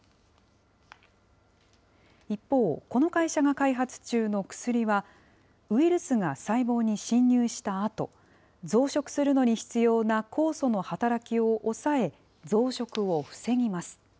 一方、この会社が開発中の薬は、ウイルスが細胞に侵入したあと、増殖するのに必要な酵素の働きを抑え、増殖を防ぎます。